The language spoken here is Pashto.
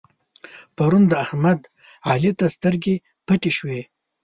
پرون د احمد؛ علي ته سترګې پټې شوې.